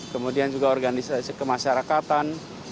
kemudian juga organisasi kemasyarakatan